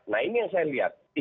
nah ini yang saya lihat